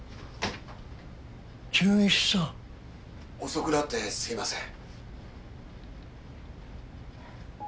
遅くなってすみません。